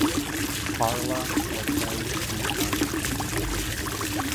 Parla was married three times.